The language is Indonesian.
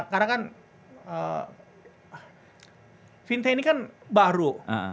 karena kan vintech ini kan baru